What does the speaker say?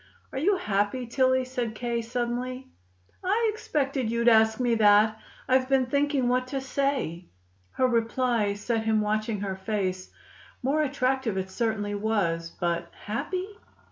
"Are you happy, Tillie?" said K. suddenly. "I expected you'd ask me that. I've been thinking what to say." Her reply set him watching her face. More attractive it certainly was, but happy?